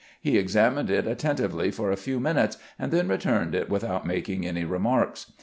He ex amined it attentively for a few minutes, and then returned it without making any remarks.